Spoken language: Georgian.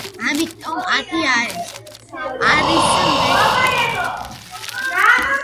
ამიტომ ათი არის მეტი, ვიდრე ხუთი.